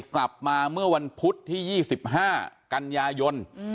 กลับมาเมื่อวันพุธที่ยี่สิบห้ากันยายนอืม